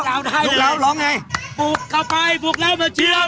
ลุกเหล้าได้เลยลุกเหล้าร้องไงปลุกเข้าไปปลุกแล้วมาเชียร์ไทยเล่น